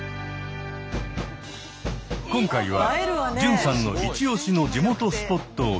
今回は純さんのイチオシの地元スポットを巡ります。